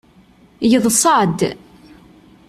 Yeḍsa-d.